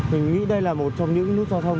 mình nghĩ đây là một trong những nút giao thông